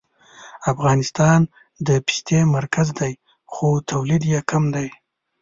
افغانستان د پستې مرکز دی خو تولید یې کم دی